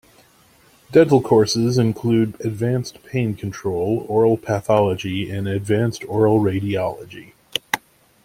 Dental courses include advanced pain control, oral pathology, and advanced oral radiology.